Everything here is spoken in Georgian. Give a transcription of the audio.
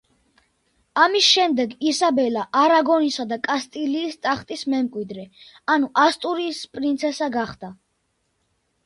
ამის შემდეგ ისაბელა არაგონისა და კასტილიის ტახტის მემკვიდრე, ანუ ასტურიის პრინცესა გახდა.